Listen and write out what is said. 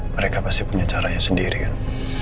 mereka pasti punya caranya sendiri kan